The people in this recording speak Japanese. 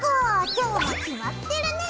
今日も決まってるね！